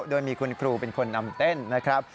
โดยมีคุณครูเป็นคนนำเต้นนะครับ